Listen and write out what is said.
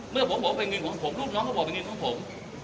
เมื่อผมบอกว่าเป็นเงินของผมลูกน้องเขาบอกเป็นเงินของผม